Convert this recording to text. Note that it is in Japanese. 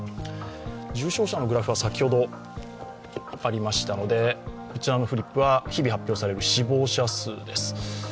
重症者のグラフは先ほどありましたので、こちらのフリップは日々発表される死亡者数です。